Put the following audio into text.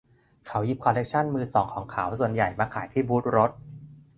เขาหยิบคอลเล็กชั่นมือสองของเขาส่วนใหญ่มาขายที่บูทรถ